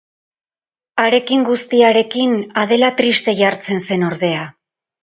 Harekin guztiarekin, Adela triste jartzen zen, ordea.